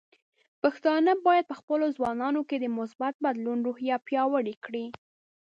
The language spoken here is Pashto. پښتانه بايد په خپلو ځوانانو کې د مثبت بدلون روحیه پیاوړې کړي.